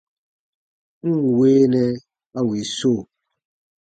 N ǹ weenɛ a wii so !